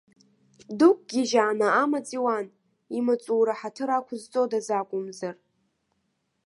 Дықәгьежьааны амаҵ иуан, имаҵура ҳаҭыр ақәызҵодаз акәымзар.